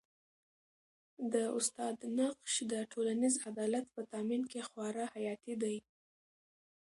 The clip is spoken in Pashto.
د استاد نقش د ټولنیز عدالت په تامین کي خورا حیاتي دی.